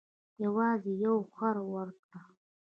یوازې یو خر ورکړ.